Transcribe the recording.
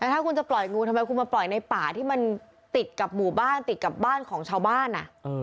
ถ้าคุณจะปล่อยงูทำไมคุณมาปล่อยในป่าที่มันติดกับหมู่บ้านติดกับบ้านของชาวบ้าน